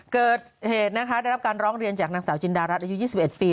เกิดเหตุนะคะได้รับการร้องเรียนจากนางสาวจินดารัฐอายุ๒๑ปี